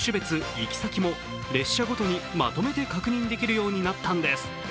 ・行先も列車ごとにまとめて確認できるようになったのです。